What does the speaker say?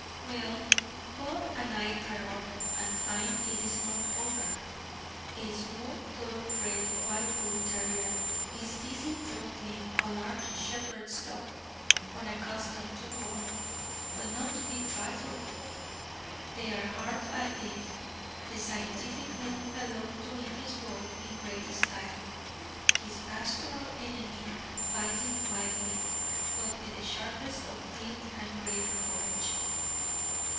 Well, Bob and I are up, and find it is not over; a small thoroughbred, white bull terrier, is busy throttling a large shepherd's dog, unaccustomed to war, but not to be trifled with. They are hard at it; the scientific little fellow doing his work in great style, his pastoral enemy fighting wildly, but with the sharpest of teeth and a great courage.